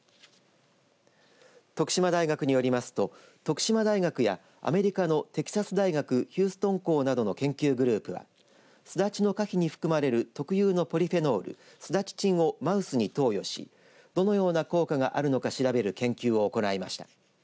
徳島大学によりますと徳島大学やアメリカのテキサス大学ヒューストン校などの研究グループはすだちの果皮に含まれる特有のポリフェノールスダチチンをマウスに投与しどのような効果があるのかを調べる研究を行いました。